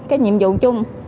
cái nhiệm vụ chung